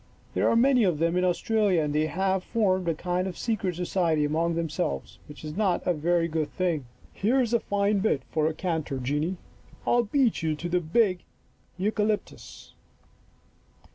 There are many of them in Australia and they have formed a kind of secret society among themselves, which is not a very good thing. Here is a fine bit for a canter, Jeanie. I'll beat you to the big eucalyptus."